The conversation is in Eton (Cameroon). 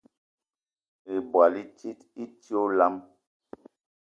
Ibwal i tit i ti olam.